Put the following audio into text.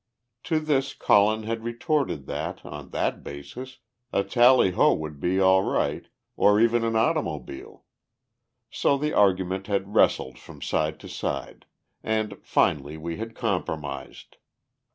To this Colin had retorted that, on that basis, a tally ho would be all right, or even an automobile. So the argument had wrestled from side to side, and finally we had compromised.